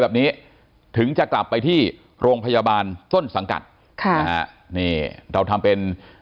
แบบนี้ถึงจะกลับไปที่โรงพยาบาลส้นสังกัดเราทำเป็น